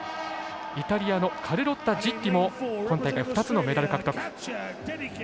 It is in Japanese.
イタリアのカルロッタ・ジッリも今大会２つのメダル獲得。